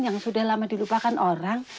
yang sudah lama dilupakan orang